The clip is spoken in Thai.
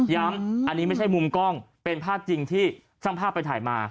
อันนี้ไม่ใช่มุมกล้องเป็นภาพจริงที่ช่างภาพไปถ่ายมา